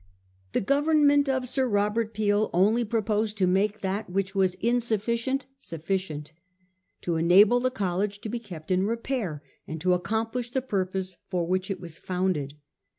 The Government of Sir Robert Peel only proposed to make that which was insufficient sufficient; to enable the college to be kept in repair and to accom plish the purpose for which it was founded.